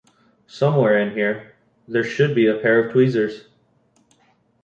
Somewhere in here, there should be a pair of tweezers.